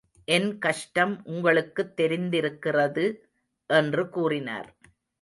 என் கஷ்டம் உங்களுக்குத் தெரிந்திருக்கிறது. என்று கூறினார்.